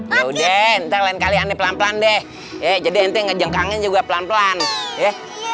yaudah entar lain kali ande pelan pelan deh jadi ente ngejengkangin juga pelan pelan ya